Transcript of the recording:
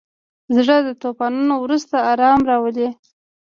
زړه د طوفانونو وروسته ارام راولي.